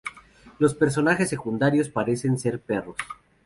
Los personajes secundarios parecen ser perros.